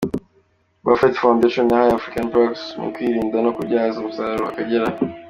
Buffett Foundation yahaye African Parks mu kurinda no kubyaza umusaruro Akagera”,.